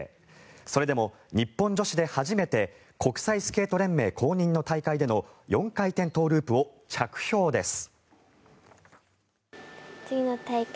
それでも日本女子で初めて国際スケート連盟公認の大会での４回転トウループを着氷です。